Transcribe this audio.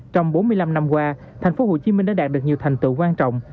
trong bốn mươi năm năm qua tp hcm đã đạt được nhiều thành tựu quan trọng